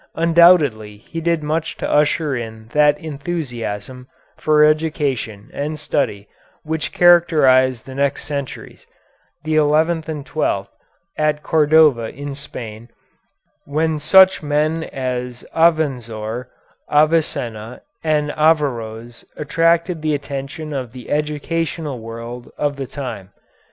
Undoubtedly he did much to usher in that enthusiasm for education and study which characterized the next centuries, the eleventh and twelfth, at Cordova in Spain, when such men as Avenzoar, Avicenna, and Averroës attracted the attention of the educational world of the time.